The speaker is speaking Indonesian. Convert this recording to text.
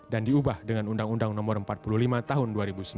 dan diubah dengan undang undang nomor empat puluh lima tahun dua ribu sembilan